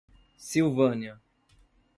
Silvânia